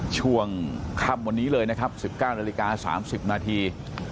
ช่วงคลับวันนี้เลย๑๙นาฬิกา๓๐นาที